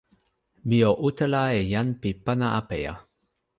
mi o utala e jan pi pana apeja!